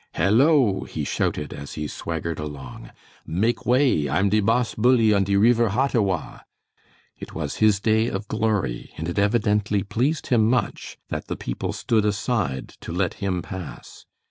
"Hello!" he shouted, as he swaggered along. "Make way, I'm de boss bully on de reever Hottawa." It was his day of glory, and it evidently pleased him much that the people stood aside to let him pass.